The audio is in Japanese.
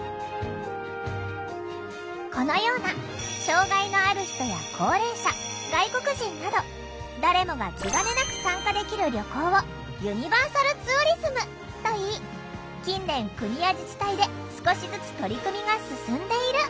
このような障害のある人や高齢者外国人など誰もが気がねなく参加できる旅行を「ユニバーサルツーリズム」といい近年国や自治体で少しずつ取り組みが進んでいる。